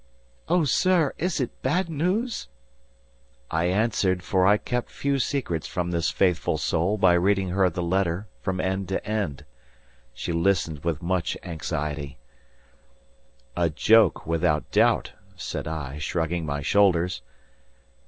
"Oh, sir! is it bad news?" I answered for I kept few secrets from this faithful soul by reading her the letter from end to end. She listened with much anxiety. "A joke, without doubt," said I, shrugging my shoulders.